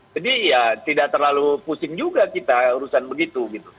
jadi ya tidak terlalu pusing juga kita urusan begitu gitu